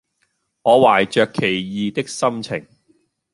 我懷著奇異的心情